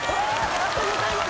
ありがとうございます。